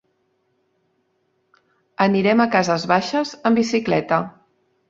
Anirem a Cases Baixes amb bicicleta.